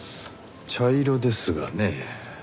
茶色ですがねえ。